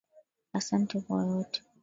Asante kwa yote.